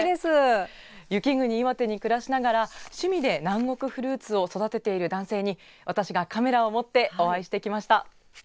雪国、岩手に暮らしながら趣味で南国フルーツを育てている男性に私がカメラを持ってお会いしてきました。